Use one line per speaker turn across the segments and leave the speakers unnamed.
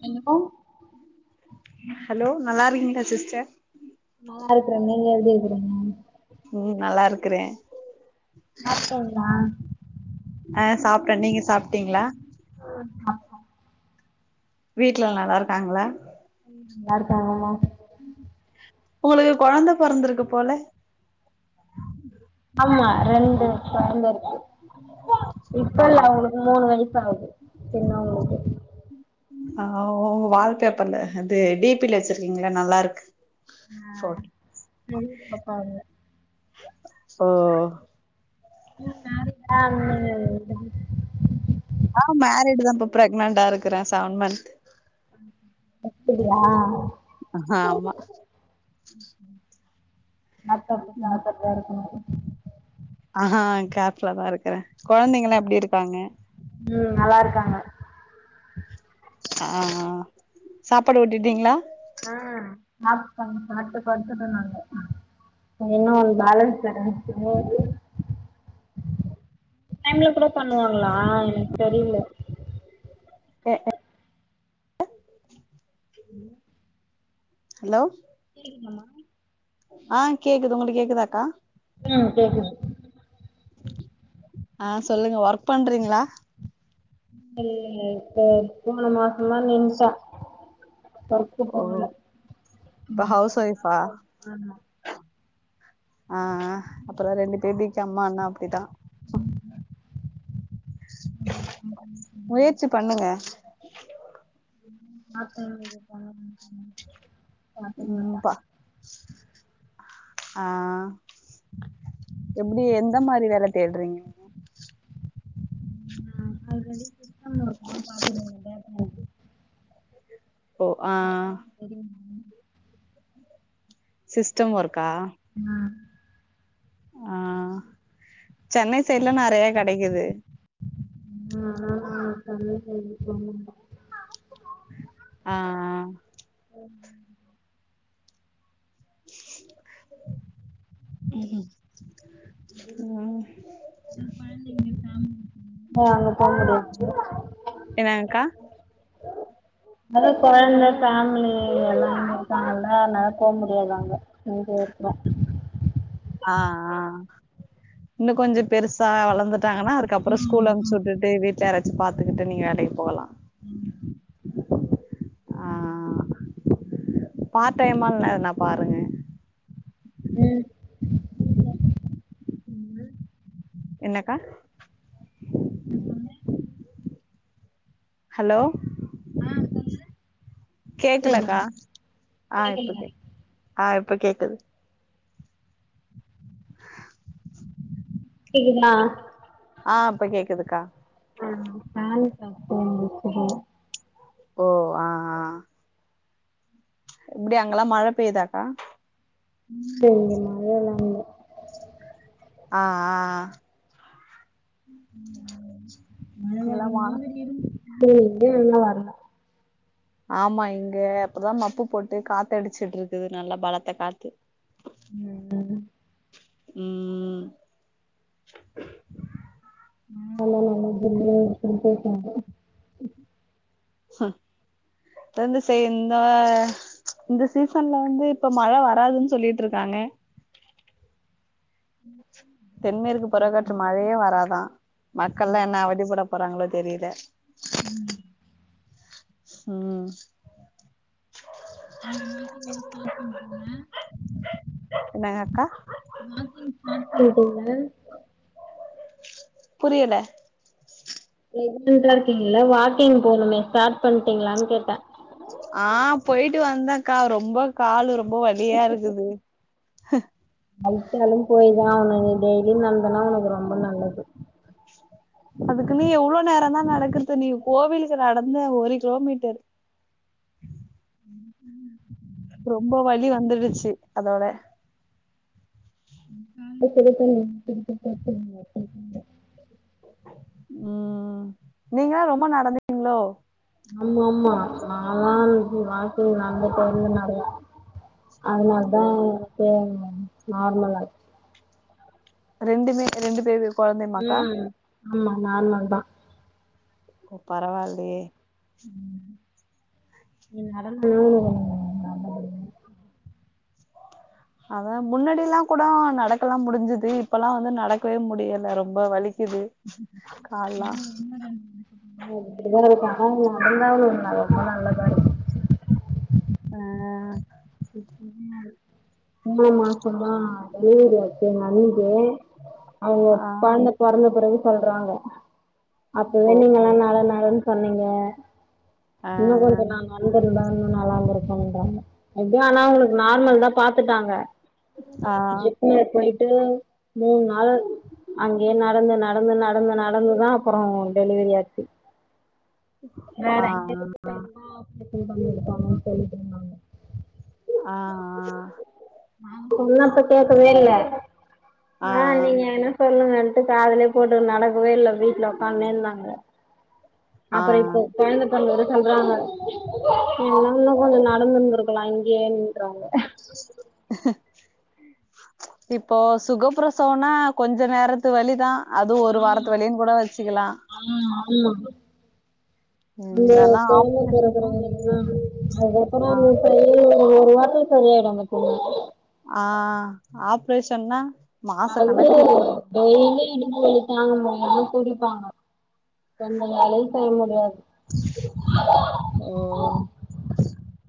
hello
hello நல்லா இருக்கீங்ளா sister
நல்லா இருக்கறேங்க நீங்க எப்டி இருக்குறீங்க
ம் நல்லா இருக்கறே
சாப்டீங்ளா
ஆ சாப்ட்டே நீங்க சாப்ட்டீங்ளா
[inaudible]
வீட்ல நல்லாருக்காங்ளா
ம் நல்லாருக்காங் எல்லா
உங்களுக்கு கொழந்த பொறந்துருக்கு போல
ஆமா ரெண்டு கொழந்தருக்கு
ஓ
இப்ப இல்ல அவுங்களுக் மூணு வயசு ஆவுது சின்னவங்களுக்கு
ஆ உ உங்க வால்பேப்பர்ல இது டிபில வெச்சிருக்கீங்கல நல்லாருக்கு ஃபாட்
பெரிய பாப்பா அது
ஓ
இன்னு மேரேஜ் ஆகல உங்களுக்கு
ஆ மேரீடு தா இப்ப ப்ரெக்னென்டாருக்கிறே செவன் மன்த்
ம் அப்படியா
ஆமா
[unintelligible]
ஆஹா கேப்ல தா இருக்கறே கொழந்தைங்கெல்லா எப்டி இருக்காங்க
ம் நல்லா இருக்காங்க
ஆ ஆ சாப்பாடு ஊட்டிட்டீங்ளா
ஆ சாப்ட்டாங்க சாப்ட்டு படுத்துட்ருக்காங்க இன்னு ஒன் போலன்ஸ் இருக்குது டைம்ல கூடோ பண்ணுவாங்களா எனக் தெரியில
அ அ
ஹலோ
ஹலோ
கேக்குதாமா
ஆ கேக்குது உங்களுக்கு கேக்குதாக்கா
ம் கேக்குது
ஆ சொல்லுங்க ஒர்க் பண்றீங்ளா
இல்லைங்க இப்போ போன மாசோதா நின்ட்டே வொர்க்
ஓ
போகல
இப்ப
கொஞ்ச
ஹவுஸ்
நாள்
ஒய்ஃபா
போட்டோ ஆமா
ஆ ஆ அப்றோ ரெண்டு பேபிக்கு அம்மான்னா அப்டிதா முயற்சி பண்ணுங்க
ம் இன்னா பண்றது கொழந்த பொறந்துச்சுன்னா
ம் பா ஆ எப்டி எந்த மாரி வேல தேட்றீங்க நீங்க
ஆ ஆல்ரெடி சிஸ்டம் வொர்க்கு தா பாத்துனு இருந்த
ஓ ஆ
வேட்டர் தெரியுமா
சிஸ்டம் ஒர்க்கா
அ
ஆ சென்னை சைட்லா நெறைய கெடைக்கிது
நா சமைக்கிறதுக்கு ஒன்னுமில்ல
ஆ ஆ
உம்
ம் ம் ம்
ஆ அங்க போமுடியாது இப்போ
என்னாங்கா
அது கொழந்த ஃபேமிலி எல்லா இருக்காங்கல்ல அதனால போ முடியாது அங்க இங்க இருக்கற
ஆ ஆ இன்னு கொஞ்சோ பெருசா வளந்த ட்டாங்கன்னா அதுக்கப்றோ ஸ்கூல அமுச்சிவுடுட்டு வீட்டுல யாராச்சி பாத்துகிட்டு நீங்க வேலைக்கு போகலா
ம்
ஆ ஆ பார்ட் டைம்மால்ல எதனா பாருங்க
ம்
என்னக்கா
நா சொன்னே
ஹலோ கேக்கலக்கா ஆ இப்ப கேக் ஆ இப்ப கேக்குது
கேக்குதுங்ளா
ஆ இப்ப கேக்குதுக்கா
வேலைக்கா போமுடியு போ
ஓ ஆ ஆ எப்டி அங்கெல்லா மழை பெய்தாக்கா
நீங்கள் எல்லாவே எல்லாமே
ஆ ஆ ஆ
மழ வர
இங்கெல்லா மழ
மாதிரி இருந்துச்சு ஏ எல்லா வர்ல
ஆமா இங்க அப்பதா மப்பு போட்டு காத்த அடிச்சுட்டு இருக்குது நல்லா பலத்த காத்து
ம் என்னாது
ம்
[unintelligible]
ஹ வந்து செய்யுந்தா இந்த சீசன்ல வந்து இப்ப மழ வராதுன்னு சொல்லிட்ருக்காங்க தென்மேற்கு பருகாற்று மழையே வராதா மக்கள்லா என்ன அவதிப்பட போறாங்களோ தெரியுல ம்
நீங்க வாக்கிங்லா ஸ்டார்ட் பண்டீங்களா
என்னங்கக்கா
வாக்கிங் ஸ்டார்ட் பண்ட்டீங்களா
புரியுல
ப்ரெக்னட்டா இருக்கீங்கேல்ல வாக்கிங் போனுமே ஸ்டார்ட் பண்ட்டீங்களானு கேட்டே
ஆ போயிட்டு வந்தக்கா ரொம்ப காலு ரொம்ப வலியா இருக்குது
வலித்தாலு போயிதா ஆவனோ நீ டெய்லியு நடந்தனா உனக்கு ரொம்போ நல்லது
அதுக்குனு எவ்ளோ நேரோதா நடக்குறது நீ கோவிலுக்கு நடந்த ஒரு கிலோமீட்டரு ரொம்போ வலி வந்துடுச்சி அதோட
[unintelligible]
உம் நீங்க ரொம்போ நடந்தீங்களோ
ஆமா ஆமா நாலா ரொம்போ வாக்கிங் நடந்து போவ நறையா அதுனாலதா எனக்கே நார்மலா ஆச்
ரெண்டுமே ரெண்டு பேரு
ம் ஆமா நார்மல்தா
ஓ பரவால்லயே
ம் நீ நடந்து
அதா முன்னாடிலா கூடோ நடக்கலா முடிஞ்சுது இப்பல்லா வந்து நடக்கவே முடியல ரொம்ப வலிக்குது கால்லா
அப்புடிதா இருக்கோ ஆனா நடந்தா அவ்ளோ நல் ரொம்ப நல்லதா இருக்
அ
இப்ப குருமா இருக் மூனு மாசோதா டெலிவரி ஆச்சு எங்க அண்ணிக்கு அவுங்க
ஆ
கொழந்த பொறந்த பிறகு சொல்றாங்க அப்பவே
ஓ
நீங்கலா நட நடன்னு சொன்னீங்க
ஆ
இன்னோ கொஞ்சோநா நடந்துர்ந்தா இன்னோ நல்லா இருந்துருக்கோன்றாங்க எப்டியோ ஆனா அவுங்குளுக்கு நார்மல்தா பாத்துட்டாங்க
ஆ
கூட போயிட்டு மூண் நாள் அங்கயே நடந்து நடந்து நடந்து நடந்துதா அப்புறோ டெலிவரி ஆச்சு வேற
ஆ
எங்கயாச்சோ போயிருந்தா டெலிவரி பண்ணியிருப்பாங்களோனு சொல்லிட்டு இருந்தாங்க
ஆ ஆ
நா சொன்னப்ப கேட்கவே இல்ல ஆ நீங்க என்ன சொல்லுங்கன்ட்டு காதலே போட்டு நடக்கவே இல்ல வீட்ல ஒக்காந்துனே இந்தாங்க
ஆ
அப்பற
ஆ
இப்போ கொழந்த சொல்லது சொல்றாங்க என்னன்னு கொஞ்ச நடந்துருந்திருக்கலா இங்கயேன்றாங்க
அஹ இப்போ சுகப்பிரசம்னா கொஞ்ச நேரத்து வழிதா அதுவு ஒரு வாரத்து வலினு கூட வச்சுக்கலா
ஆ ஆமா அந்த
இந்தெல்லா
கொழந்த பொறக்கற
ஆப்ரேஷன்னா
வரையு ஆ அதுப்புற
ஆ
அது சரி ஒரு வாரத்துல சரிய ஆயிடு பத்தீமா
ஆ ஆப்ரேஷன்னா மாச
அது
கணக்கு
டெய்லி இடுப்பு வலி தாங்க முடியாம குடிப்பாங்க [unintelligible] அலை டை முடியாது
ஓ ஓ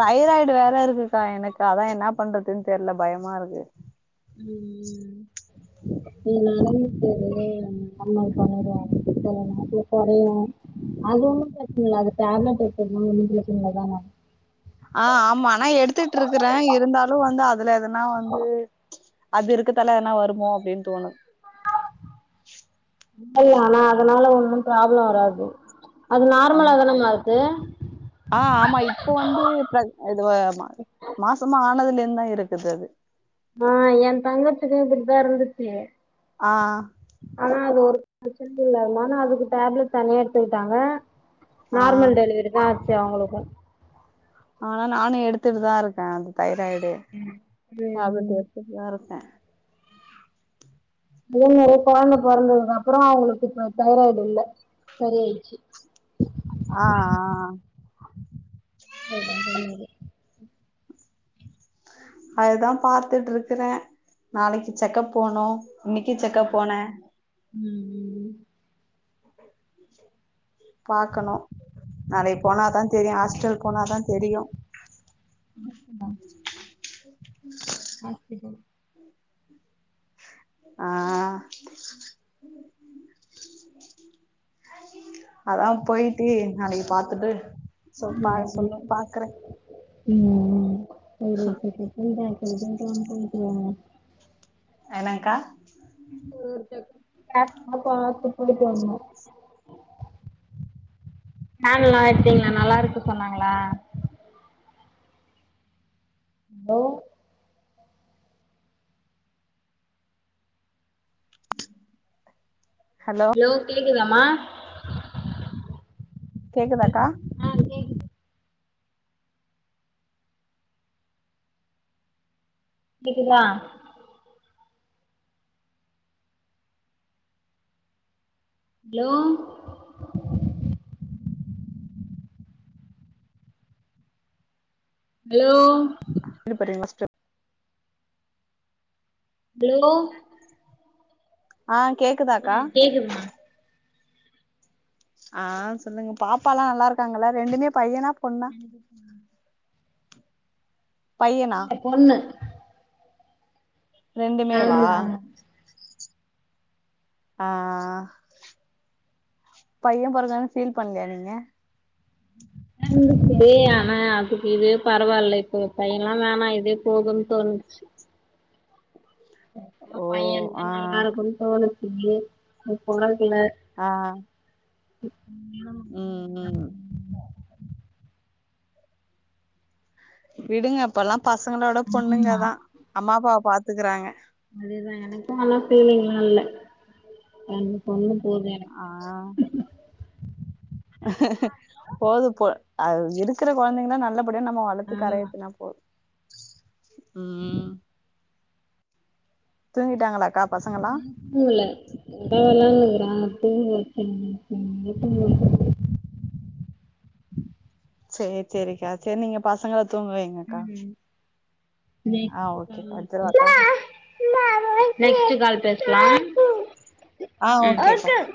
தைராய்டு வேற இருக்குக்கா எனக்கு அதா என்னா பண்றதுன்னு தெரில பயமா இருக்கு
ம் நீ நடந்துட்டு [unintelligible] நம்ம பண்ணடுவா நாக்கு கொறையு அது ஒன்னு பிரச்சனை இல்ல அது டேப்லெட் எடுத்ததுனால ஒன்னு பிரச்சனைல தான
ஆ ஆமா நா எடுத்துட்ருக்கறே இருந்தாலு வந்து அதுல எதனா வந்து அது இருக்கத்தல எதுன்னா வருமோ அப்படின் தோணு
ஆனா அதனால ஒண்ணு ப்ராப்ளம் வராது அது
ஆ
நார்மலா தானமா இருக்கு
ஆ ஆமா இப்ப வந்து பக் இது மாசமா ஆனதுல இருந்து தா இருக்குது அது
ஆ ஏ தங்கச்சக்கு இப்டிதா இருந்துச்சு
ஆ
ஆனா அது ஒரு பிரச்சனை இல்ல அதனால அதுக்கு டேப்லெட் தனியா எடுத்துக்கிட்டாங்க
ஆ
நார்மல் டெலிவரி தா ஆச்சு அவங்களுக்கு
ஆனா நானு எடுத்துட்டு தா இருக்கே அந்த தைராய்டு
ம் ம்
டேப்லெட் எடுத்துட்டுதா இருக்கே
அதே மாரி கொழந்த பொறந்ததுக்கு அப்பற அவங்களுக்கு இப்ப தைராய்டு இல்ல சரியாயிடுச்சு
ஆ ஆ
[unintelligible] டெலிவரி
அதுதா பாத்துட்ருக்கறே நாளைக்கு செக்கப் போனு இன்னைக்கு
ம்
செக்கப் போனே
ம் ம்
பாக்கணு நாளைக்கு போனாதா தெரியு ஹாஸ்டல் போனாதா தெரியு
ம் ம்மா ஆ [unintelligible]
ஆ அதா போயிட்டு நாளைக்கு பாத்துட்டு சொப்பா சொல்லு பாக்குறே
ம் [unintelligible]
என்னாங்க்கா
ஒரு [unintelligible] போய்ட்டு வந்தோ கன்ல்லா எட்டீங்களா நல்லாருக்கு சொன்னாங்களா ஹலோ
ஹலோ
ஹலோ கேக்குதாம்மா
கேக்குதாக்கா
ஆ கேக்குது கேக்குதா ஹலோ ஹலோ
இது படிங்க ஃபர்ஸ்ட்
ஹலோ
ஆ கேக்குதாக்கா
கேக்குதுமா
ஆ சொல்லுங்க பாப்பாலா நல்லா இருக்காங்களா ரெண்டுமே பையனா பொண்ணா
இருக்கே
பையனா
இல்ல பொண்ணு
ரெண்டுமே வா
ஆமா
ஆ ஆ ஆ பைய பொறக்கலன்னு ஃபீல் பண்ணலயா நீங்க
இதே ஆனா அதுக்கு இதே பரவாயில்ல இப்ப பையன்ல்லா வேணா இதே போதுன்னு தோணுச்சு ஒரு
ஓ
பைய இருந்தா
ஆ
நல்லா இருக்குன்னு தோணுச்சு அது பொறக்கல
ஆ
ம் மியாவ்
ம் ம் விடுங்க இப்பெல்லா பசங்களோட பொண்ணுங்க தா அம்மா அப்பாவ பாத்துக்குறாங்க
அதுதா எனக்கு ஆனா ஃபீலிங்லா இல்ல ரெண்டு பொண்ணு போது எனக்கு
ஆ போது பொ அது இருக்குற கொழந்தைங்கள நல்லபடியா நம்ம வள த்து கரையேத்துனா போது ம் தூங்கிட்டாங்களாக்கா பசங்களா
தூங்கல தேவ இல்லாம இருக்குறாங்க தூங்க சொன்னா தூங்கல
சேரி சேரிக்கா சேரி நீங்க பசங்கள தூங்க வைங்க க்கா ஆ ஓகேக்கா வச்சிறவாக்கா
நெக்ஸ்ட் கால் பேசலா
ஆ
ம்
ஓகேக்கா